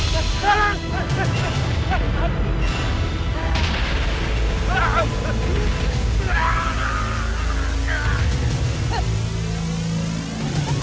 jangan sampai ada yang mencuri mayat